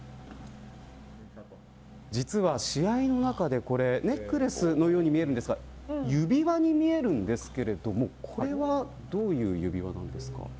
試合の中で、ネックレスのように見えるんですが指輪に見えるんですけどもこれはどういう指輪ですか。